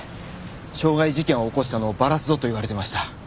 傷害事件を起こしたのをバラすぞと言われていました。